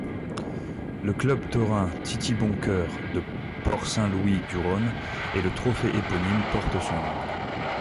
Le club taurin Titi Boncœur de Port-Saint-Louis-du-Rhône et le trophée éponyme portent son nom.